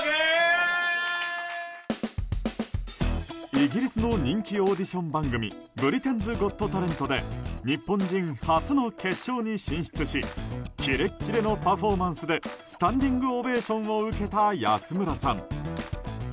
イギリスの人気オーディション番組「ブリテンズ・ゴット・タレント」で日本人初の決勝に進出しキレッキレのパフォーマンスでスタンディングオベーションを受けた安村さん。